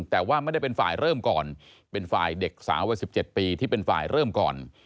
แต่ว่าไม่ได้เป็นฝ่ายเริ่มก่อนเป็นฝ่ายเด็กสาววัย๑๗ปีที่เป็นฝ่ายเริ่มก่อน